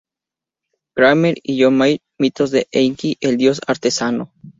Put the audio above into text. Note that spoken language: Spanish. S. Kramer y John Maier, Mitos de Enki el dios artesano.